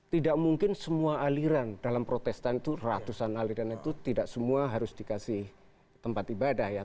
tidak mungkin semua aliran dalam protestan itu ratusan aliran itu tidak semua harus dikasih tempat ibadah ya